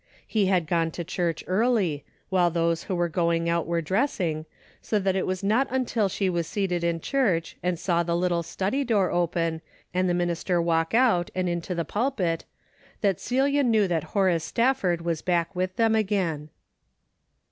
He had gone to church early, while those who were going out were dressing, so that it was not un til she was seated in church and saw the little study door open, and the minister walk out 318 A DAILY BATE I' and into the pulpit, that Celia knew that Horace Stafford was back with them again.